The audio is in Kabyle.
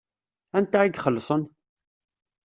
Anta i ixelṣen?